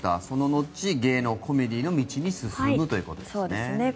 その後、芸能、コメディーの道に進むということですね。